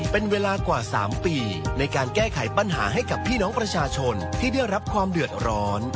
เป็นเวลากว่า๓ปีในการแก้ไขปัญหาให้กับพี่น้องประชาชนที่ได้รับความเดือดร้อน